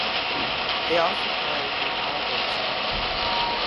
They also climbed in power density.